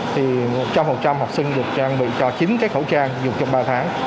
thì một trăm linh học sinh được trang bị cho chín cái khẩu trang dùng trong ba tháng